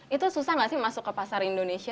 itu susah nggak sih masuk ke pasar indonesia